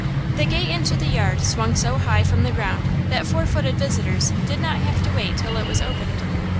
The gate into the yard swung so high from the ground that four footed visitors did not have to wait till it was opened.